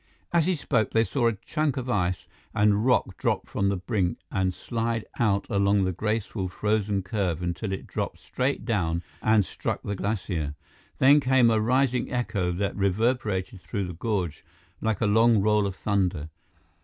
As he spoke, they saw a chunk of ice and rock drop from the brink and slide out along the graceful, frozen curve until it dropped straight down and struck the glacier. Then came a rising echo that reverberated through the gorge like a long roll of thunder.